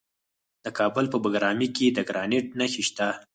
د کابل په بګرامي کې د ګرانیټ نښې شته.